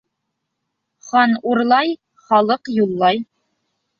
Хан урлай, халыҡ юллай.